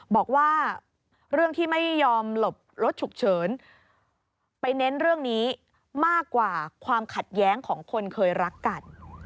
บอกว่าเรื่องที่ไม่ยอมหลบรถฉุกเฉินไปเน้นเรื่องนี้มากกว่าความขัดแย้งของคนเคยรักกัน